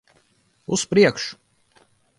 Uz priekšu!